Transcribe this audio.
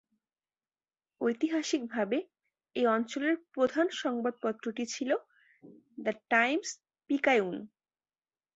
ঐতিহাসিকভাবে এই অঞ্চলের প্রধান সংবাদপত্রটি ছিল "দ্য টাইমস-পিকায়ুন"।